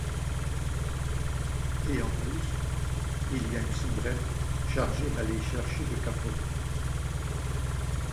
Et en plus, il y a une soubrette chargée d'aller chercher des capotes.